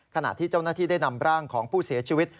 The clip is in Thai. ขณะที่เจ้าหน้าที่ได้นำร่างของผู้เสียชีวิต